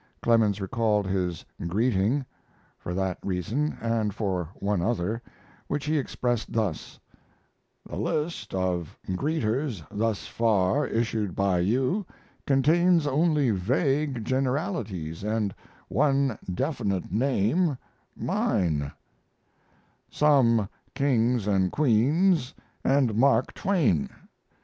Clemens recalled his "Greeting" for that reason and for one other, which he expressed thus: "The list of greeters thus far issued by you contains only vague generalities and one definite name mine: 'Some kings and queens and Mark Twain.'